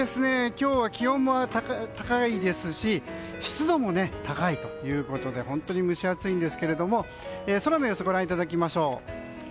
今日は気温も高いですし湿度も高いということで本当に蒸し暑いんですけども空の様子をご覧いただきましょう。